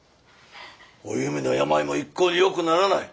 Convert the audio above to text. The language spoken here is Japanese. おゆみの病も一向によくならない。